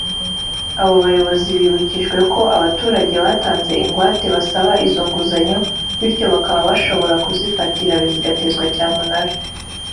Abo bayobozi bibukijwe ko abaturage batanze ingwate basaba izo nguzanyo bityo bakaba bashobora kuzifatira zigatezwa cyamunara